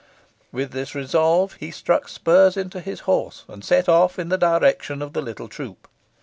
With this resolve, he struck spurs into his horse, and set off in the direction of the little troop.